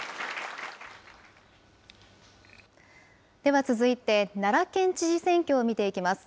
では続いて、奈良県知事選挙を見ていきます。